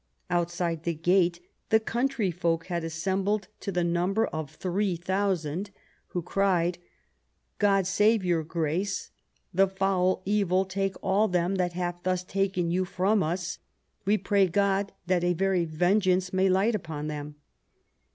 Outside the gate the country folk had assembled to the number of three thousand, who cried, "God save your grace. The foul evil take all them that hath thus taken you from us ; we pray God that a very vengeance may light upon them."